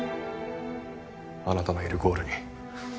あなたのいるゴールに。